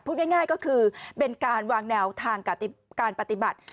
พูดง่ายก็คือเป็นการวางแนวทางการปฏิบัติ